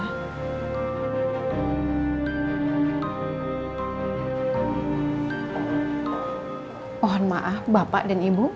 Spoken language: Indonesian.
mohon maaf bapak dan ibu